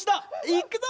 いくぞ！